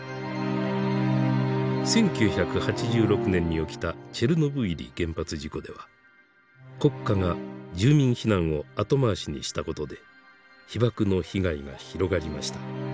１９８６年に起きたチェルノブイリ原発事故では国家が住民避難を後回しにしたことで被ばくの被害が広がりました。